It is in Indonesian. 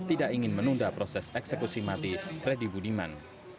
tidak ingin menunda proses eksekusi mati freddy budiman